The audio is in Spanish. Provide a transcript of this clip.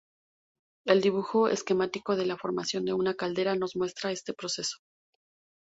El dibujo esquemático de la formación de una caldera nos muestra este proceso.